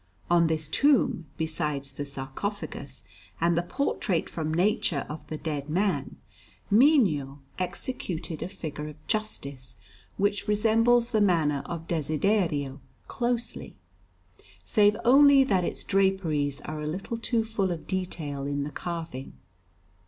On this tomb, besides the sarcophagus and the portrait from nature of the dead man, Mino executed a figure of Justice, which resembles the manner of Desiderio closely, save only that its draperies are a little too full of detail in the carving.